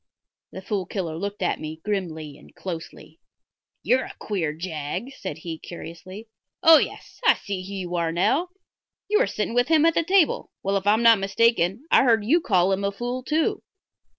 The Fool Killer looked at me grimly and closely. "You've a queer jag," said he, curiously. "Oh, yes; I see who you are now. You were sitting with him at the table. Well, if I'm not mistaken, I heard you call him a fool, too."